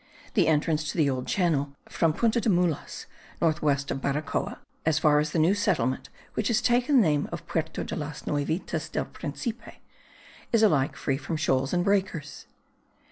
The entrance to the Old Channel, from Punta de Mulas, west north west of Baracoa, as far as the new settlement which has taken the name of Puerto de las Nuevitas del Principe, is alike free from shoals and breakers.